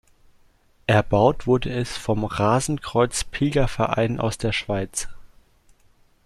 Erbaut wurde es vom Rasenkreuz-Pilgerverein aus der Schweiz.